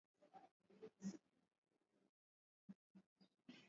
na dawa za kulevya ulioanzishwa miaka ya sabini ambapo hatua kali